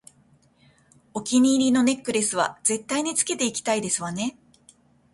お気に入りのネックレスは絶対につけていきたいですわね